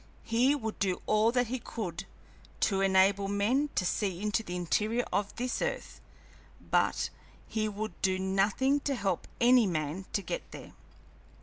He would do all that he could to enable men to see into the interior of this earth, but he would do nothing to help any man to get there.